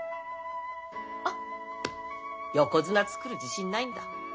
あっ横綱作る自信ないんだ。